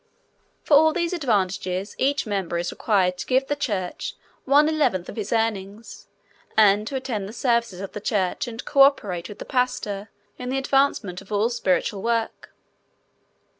For all these advantages each member is required to give to the church one eleventh of his earnings and to attend the services of the church and co operate with the pastor in the advancement of all spiritual work.